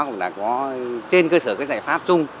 cũng đã có trên cơ sở cái giải pháp chung